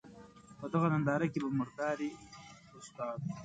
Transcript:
په دغه ننداره کې به مداري استاد.